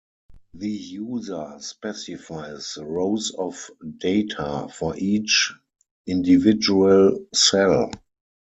The user specifies rows of data for each individual cell.